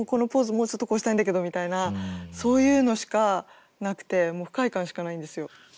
もうちょっとこうしたいんだけどみたいなそういうのしかなくてもう不快感しかないんですよ。